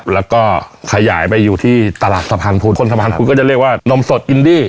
แล้วก็ขยายไปอยู่ที่ตลาดสะพานพุทธคนสะพานพุทธก็จะเรียกว่านมสดอินดี้